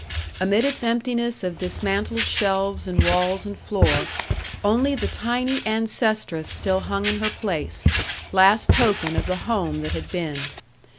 Amid its emptiness of dismantled shelves and walls and floor, only the tiny ancestress still hung in her place, last token of the home that had been.